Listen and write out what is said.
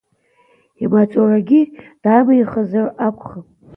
Имаҵурагьы дамихызар акәхап?